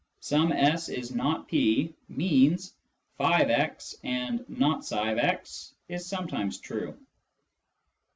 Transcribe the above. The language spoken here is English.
" Some S is not P " means "' <f>x and not ^«' is sometimes true."